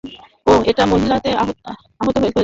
ওহ, ঐটা মহিলা সে আহত হয়েছে।